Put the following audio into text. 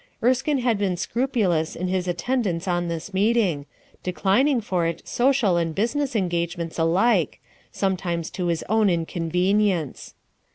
Erskinc had been scrupulous in his a I tendance on this meeting, declining for it social and business engagements alike, some times to his own inconvenience.